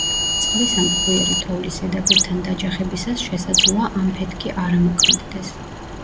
წყლის ან ფხვიერი თოვლის ზედაპირთან დაჯახებისას შესაძლოა ამფეთქი არ ამოქმედდეს.